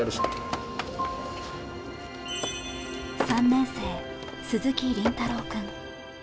３年生、鈴木凛太朗君。